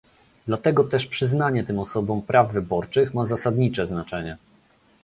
Dlatego też przyznanie tym osobom praw wyborczych ma zasadnicze znaczenie